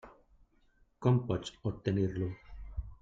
Com pots obtenir-lo?